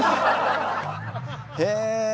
へえ！